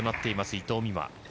伊藤美誠。